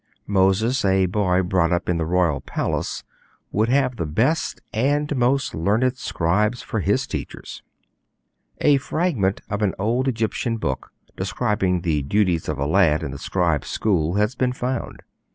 Moses, a boy brought up in the royal palace, would have the best and most learned scribes for his teachers. A fragment of an old Egyptian book describing the duties of a lad in the scribes' school has been found.